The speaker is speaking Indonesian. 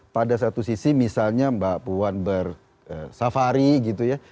pada satu sisi misalnya mbak puan bersafari gitu ya